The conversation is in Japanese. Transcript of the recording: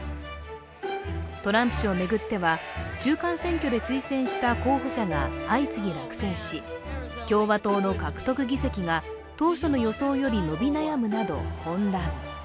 トランプ氏を巡っては中間選挙で推薦した候補者が相次ぎ落選し共和党の獲得議席が当初の予想より伸び悩むなど混乱。